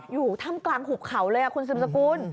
อยู่ถ้ำกลางหุบเขาเลยคุณสืบสกุล